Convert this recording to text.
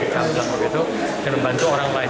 itu akan membantu orang lain